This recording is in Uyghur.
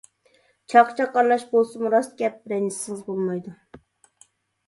چاقچاق ئارىلاش بولسىمۇ راست گەپ، رەنجىسىڭىز بولمايدۇ.